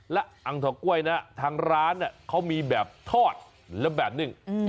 และอังถอกล้วยนะทางร้านเขามีแบบทอดแล้วแบบนึ่ง